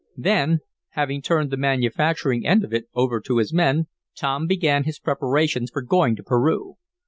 Then, having turned the manufacturing end of it over to his men, Tom began his preparations for going to Peru.